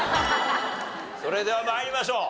それでは参りましょう。